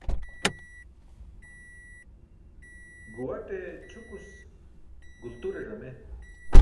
Guuwaṭe ćʰukus, gulture ẓame